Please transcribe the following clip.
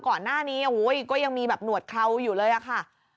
ก่อนหน้านี้ก็ยังมีแบบหนวดเคราอยู่เลยอะค่ะ